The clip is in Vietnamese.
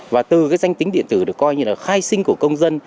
và từ cái danh tính điện tử được coi như là khai sinh của công dân